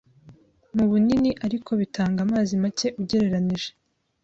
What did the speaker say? mu bunini ariko bitanga amazi make ugereranije